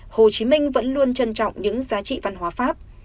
hồ chí minh vẫn luôn trân trọng những giá trị văn hóa pháp